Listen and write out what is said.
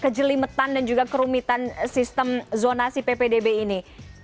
kejelimetan dan juga kerumitan sistem zonasi ppdb ini